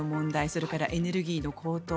それからエネルギーの高騰